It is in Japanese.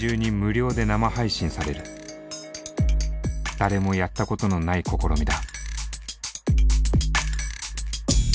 誰もやったことのない試みだ。